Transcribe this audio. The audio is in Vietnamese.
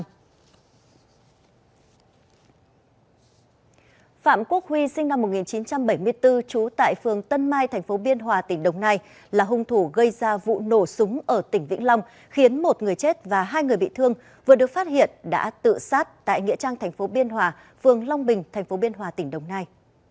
phạm quốc huy sinh năm một nghìn chín trăm bảy mươi bốn trú tại phường tân mai tp biên hòa tỉnh đồng nai là hung thủ gây ra vụ nổ súng ở tỉnh vĩnh long khiến một người chết và hai người bị thương vừa được phát hiện đã tự sát tại nghĩa trang tp biên hòa phường long bình tp biên hòa tỉnh đồng nai